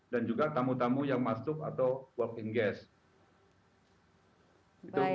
dan juga tamu tamu yang masuk atau work in grace